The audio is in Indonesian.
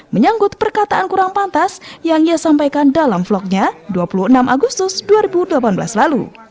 menyangkut perkataan kurang pantas yang ia sampaikan dalam vlognya dua puluh enam agustus dua ribu delapan belas lalu